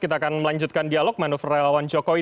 kita akan melanjutkan dialog manufaul rayawan jokowi